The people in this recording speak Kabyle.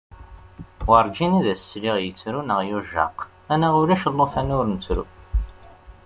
Werǧin i d as-sliɣ, yettru neɣ yujjaq, anaɣ ulac llufan ur nettru.